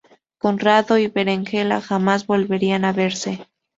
Conrado y Berenguela jamás volverían a verse.